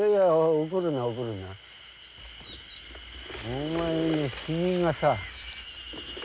お前のヒゲがさ。